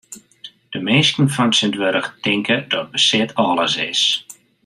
De minsken fan tsjintwurdich tinke dat besit alles is.